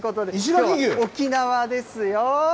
沖縄ですよ。